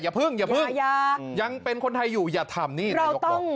อย่าพึ่งอย่าพึ่งอย่ายายังคนทายอยู่อย่าทำนี่เราต้อง